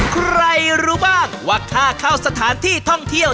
ใครรู้บ้างว่าค่าเข้าสถานที่ท่องเที่ยว